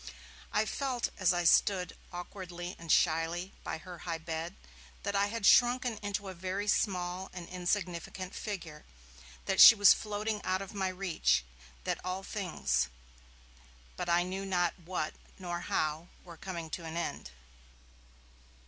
I felt, as I stood, awkwardly and shyly, by her high bed, that I had shrunken into a very small and insignificant figure, that she was floating out of my reach, that all things, but I knew not what nor how, were corning to an end.